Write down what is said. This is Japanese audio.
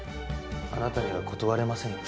あなたには断れませんよ。